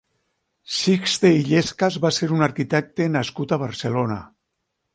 Sixte Illescas va ser un arquitecte nascut a Barcelona.